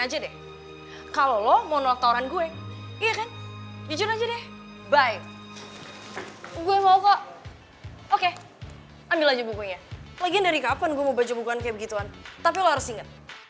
jomblo gak pernah yang kerjanya